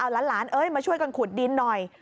หลานมาช่วยกันขุดดินหน่อย